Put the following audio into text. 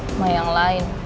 sama yang lain